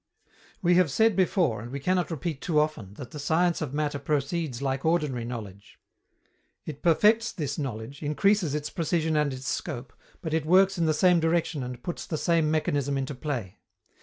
We have said before, and we cannot repeat too often, that the science of matter proceeds like ordinary knowledge. It perfects this knowledge, increases its precision and its scope, but it works in the same direction and puts the same mechanism into play.